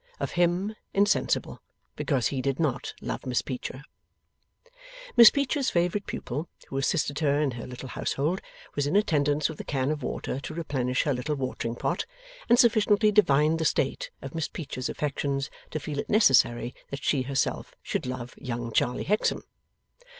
Of him, insensible. Because he did not love Miss Peecher. Miss Peecher's favourite pupil, who assisted her in her little household, was in attendance with a can of water to replenish her little watering pot, and sufficiently divined the state of Miss Peecher's affections to feel it necessary that she herself should love young Charley Hexam.